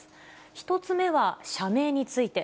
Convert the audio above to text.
１つ目は社名について。